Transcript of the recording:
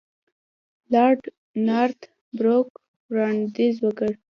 لارډ نارت بروک وړاندیز وکړ.